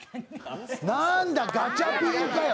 なーんだ、ガチャピンかよ。